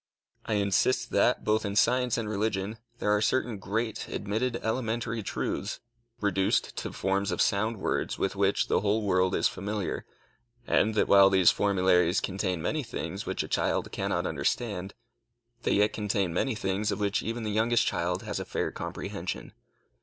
I insist that, both in science and religion, there are certain great, admitted elementary truths, reduced to forms of sound words with which the whole world is familiar; and that while these formularies contain many things which a child cannot understand, they yet contain many things of which even the youngest child has a fair comprehension.